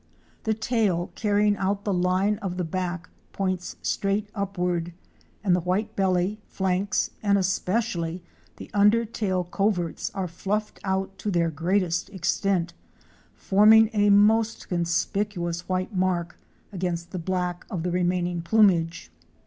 The tail, carrying out the line of the back, points straight upward, and the white belly, flanks and especially the under tail coverts are fluffed out to their greatest extent, forming a most conspicuous white mark against the black of the remaining plumage.